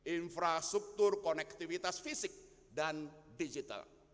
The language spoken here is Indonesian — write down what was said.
infrastruktur konektivitas fisik dan digital